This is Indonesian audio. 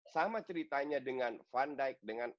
sama ceritanya dengan van dijk dengan ellison dengan klopp